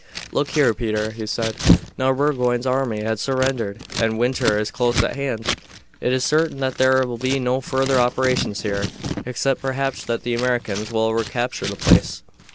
"Look here. Peter," he said. "Now Burgoyne's army has surrendered and winter is close at hand, it is certain that there will be no further operations here, except perhaps that the Americans will recapture the place.